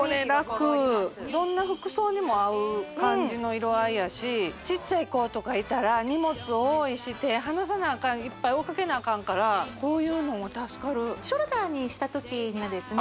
どんな服装にも合う感じの色合いやしちっちゃい子とかいたら荷物多いし手離さなあかんいっぱい追いかけなあかんからこういうもんは助かるショルダーにした時にはですね